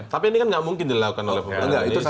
tapi ini kan nggak mungkin dilakukan oleh pemerintah